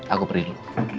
aku pergi dulu